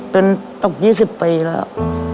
เป็นตก๒๐ปีแล้ว